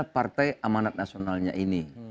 partai amanat nasionalnya ini